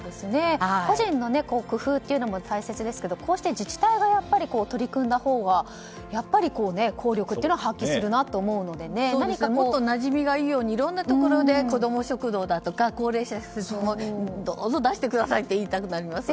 個人の工夫も大切ですけどこうして自治体が取り組んだほうがやっぱり効力というのは発揮すると思うのでもっとなじみがいいようにいろんなところでこども食堂だとか高齢者施設だとかどうぞ出してくださいって言いたくなりますね。